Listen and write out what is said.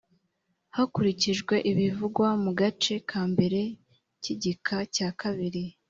hakurikijwe ibivugwa mu gace kambere k igika cya kabiri